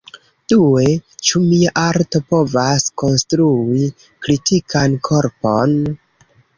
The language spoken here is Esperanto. Due: Ĉu mia arto povas konstrui "kritikan korpon"?